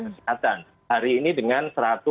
kesehatan hari ini dengan